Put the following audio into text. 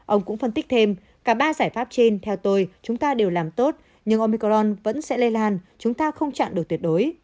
ông cũng phân tích thêm cả ba giải pháp trên theo tôi chúng ta đều làm tốt nhưng omicron vẫn sẽ lây lan chúng ta không chặn được tuyệt đối